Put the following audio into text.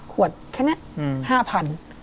ขวดแค่นี้๕๐๐บาท